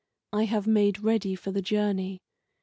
I have made ready for the journey.